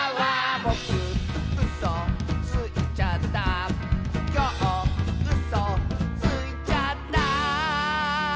「ぼくうそついちゃった」「きょううそついちゃった」